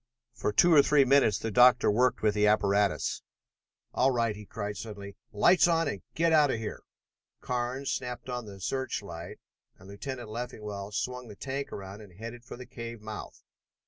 For two or three minutes the doctor worked with his apparatus. "All right!" he cried suddenly. "Lights on and get out of here!" Carnes snapped on the search light and Lieutenant Leffingwell swung the tank around and headed for the cave mouth.